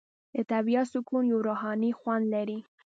د طبیعت سکون یو روحاني خوند لري.